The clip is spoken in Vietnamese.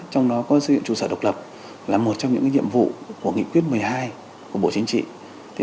trong đó có xây dựng trụ sở độc lập là một trong những nhiệm vụ của nghị quyết một mươi hai của bộ chính trị